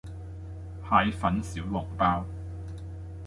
蟹粉小籠包